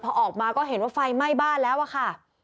พอออกมาก็เห็นว่าไฟไหม้บ้านแล้วอะค่ะ